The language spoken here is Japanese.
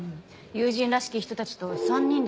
友人らしき人たちと３人で来てました。